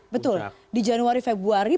betul di januari februari